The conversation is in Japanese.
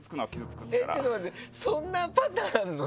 そんなパターンある？